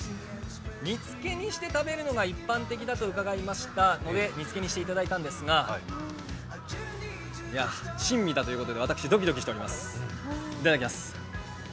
煮つけにして食べるのが一般的だと伺ったので煮つけにしていただいたんですが、珍味だということで、私、ドキドキしております。